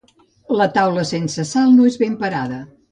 La taula sense sal no és ben parada.